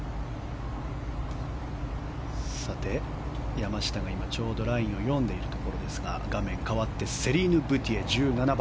山下がちょうどラインを読んでいるところですが画面は変わってセリーヌ・ブティエ、１７番。